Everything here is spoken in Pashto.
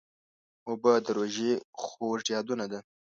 اوبه د روژې خوږ یادونه ده.